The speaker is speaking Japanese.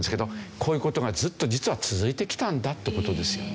こういう事がずっと実は続いてきたんだって事ですよね。